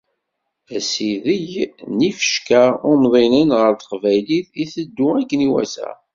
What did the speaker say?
Asideg n yifecka umḍinen ɣer teqbaylit iteddu akken iwata.